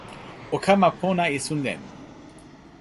o kama pona esun len.